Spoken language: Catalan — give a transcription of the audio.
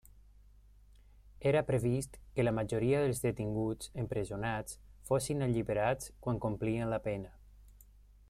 Era previst que la majoria dels detinguts empresonats fossin alliberats quan complien la pena.